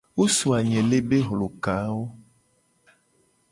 Wo so anyele be hlokawo.